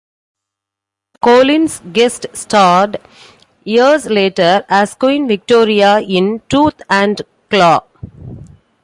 Collins guest-starred, years later, as Queen Victoria in "Tooth and Claw".